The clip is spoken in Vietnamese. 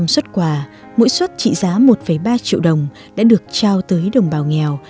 một trăm linh xuất quà mỗi xuất trị giá một ba triệu đồng đã được trao tới đồng bào nghèo